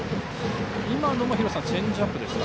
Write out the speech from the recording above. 今のも廣瀬さんチェンジアップですか。